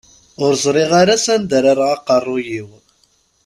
Ur ẓriɣ ara s anda ara rreɣ aqerru-w.